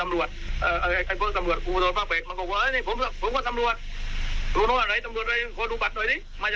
ไม่เรียบไหร่ลูกบี้แล้ว